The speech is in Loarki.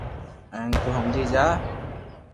ھين تو ھمجي جا